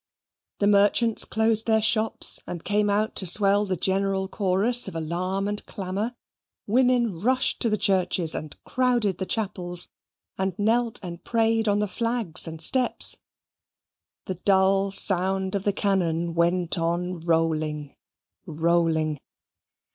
The merchants closed their shops, and came out to swell the general chorus of alarm and clamour. Women rushed to the churches, and crowded the chapels, and knelt and prayed on the flags and steps. The dull sound of the cannon went on rolling, rolling.